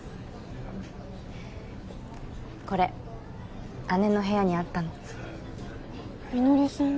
これ姉の部屋にあったのみのりさんの？